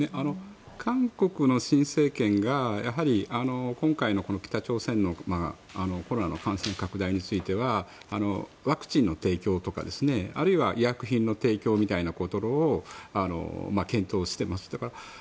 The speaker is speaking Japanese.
韓国の新政権が今回の北朝鮮のコロナの感染拡大についてはワクチンの提供とかあるいは医薬品の提供みたいなことを検討しています。